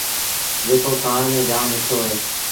جيڪو کآڻ ميݩ جآم مٺو اهي۔